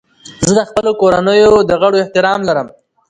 زه د خپلو کورنیو د غړو احترام لرم.